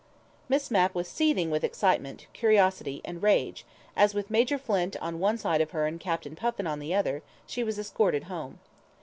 Miss Mapp was seething with excitement, curiosity and rage, as with Major Flint on one side of her and Captain Puffin on the other, she was escorted home.